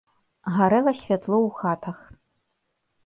Гарэла святло ў хатах.